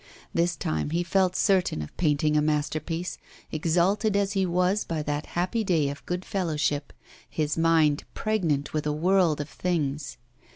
This time he felt certain of painting a masterpiece, exalted as he was by that happy day of good fellowship, his mind pregnant with a world of things.